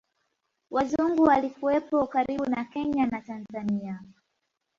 Wazungu walikuwepo karibu na Kenya na Tanzania